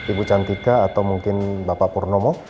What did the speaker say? ibu cantika atau mungkin bapak purnomo